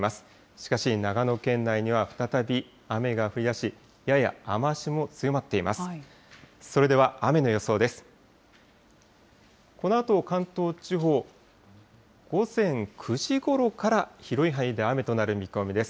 しかし長野県内には再び雨が降りだし、やや雨足も強まっています。